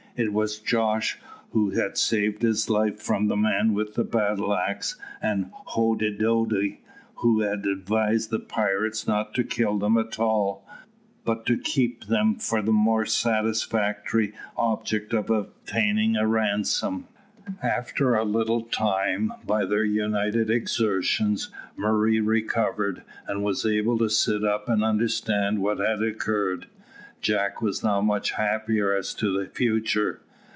It was Jos who had saved his life from the man with the battle axe, and Hoddidoddi who had advised the pirates not to kill them at all, but to keep them for the more satisfactory object of obtaining a ransom. After a little time, by their united exertions, Murray recovered, and was able to sit up and understand what had occurred. Jack was now much happier as to the future.